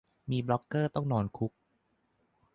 มีบล็อกเกอร์ต้องนอนคุก